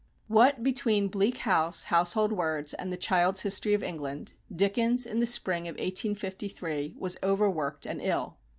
What between "Bleak House," Household Words, and "The Child's History of England," Dickens, in the spring of 1853, was overworked and ill.